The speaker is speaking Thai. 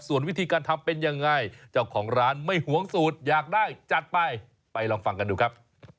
ส่วนวิธีการทำเป็นยังไงเจ้าของร้านไม่หวงสูตรอยากได้จัดไปไปลองฟังกันดูครับ